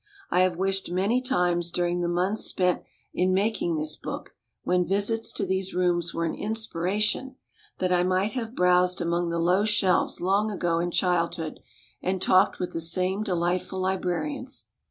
I have wished many times during the months spent in making this book, when visits to these rooms were an inspiration, that I might have browsed among the low shelves long ago in childhood, and talked w T ith the same delightful librarians.